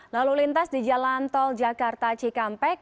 lalu lintas di jalan tol jakarta cikampek